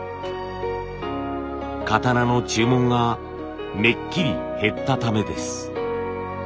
刀の注文がめっきり減ったためです。